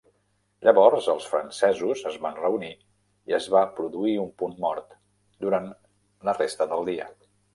Llavors, els francesos es van reunir i es va produir un punt mort durant la resta del dia.